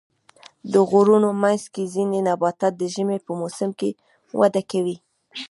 د غرونو منځ کې ځینې نباتات د ژمي په موسم کې وده کوي.